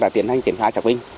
đã tiến hành tiến thai xác minh